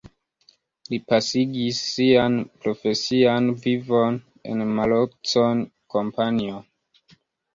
Li pasigis sian profesian vivon en la Marconi Kompanio.